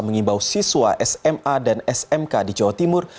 mengimbau siswa sma dan smk di jawa timur